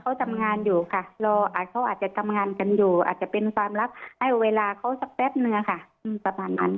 เขาทำงานอยู่ค่ะรอเขาอาจจะทำงานกันอยู่อาจจะเป็นความรักให้เวลาเขาสักแป๊บนึงค่ะประมาณนั้น